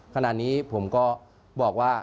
ขณะนี้ผมก็บอกว่า